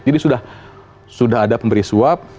jadi sudah ada pemberi suap